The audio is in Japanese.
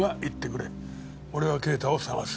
俺は啓太を捜す。